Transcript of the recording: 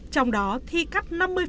trong đó thi cắt năm mươi